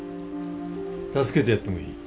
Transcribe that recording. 助けてやってもいい。